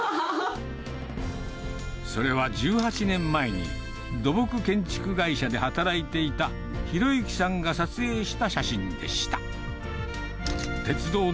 それは１８年前に、土木建築会社で働いていた博行さんが撮影した写真でした。